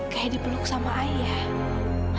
kayak dipeluk sama ayah